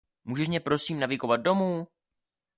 Můžeš mě prosím navigovat domů?